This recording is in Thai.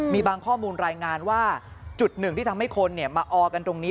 มีบางข้อมูลรายงานว่าจุดหนึ่งที่ทำให้คนมาออกันตรงนี้